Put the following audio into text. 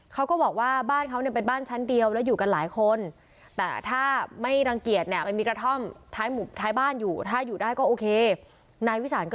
เขาก็บอกว่าบ้านเขาเนี่ยเป็นบ้านชั้นเดียวแล้วอยู่กันหลายคน